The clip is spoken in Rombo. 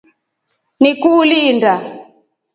Niku uli inda.